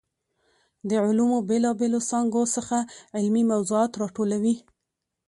د علومو بېلا بېلو څانګو څخه علمي موضوعات راټولوي.